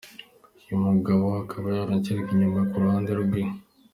Uyu mugabo akaba yarakinaga inyuma ku ruhande rwi.